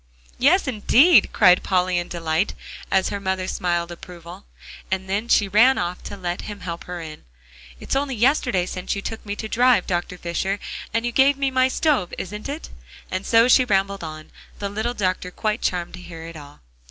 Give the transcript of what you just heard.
"Yes, indeed," cried Polly in delight, as her mother smiled approval, and she ran off to let him help her in. "It's only yesterday since you took me to drive, Dr. Fisher, and you gave me my stove is it?" And so she rambled on, the little doctor quite charmed to hear it all.